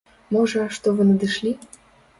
Можа, што вы надышлі?